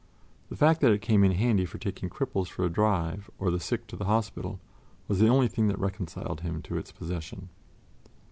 The fact that it came in handy for taking cripples for a drive or the sick to the hospital was the only thing that reconciled him to its possession.